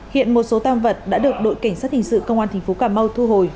hiện một số tam vật đã được đội cảnh sát hình sự công an tp cà mau thu hồi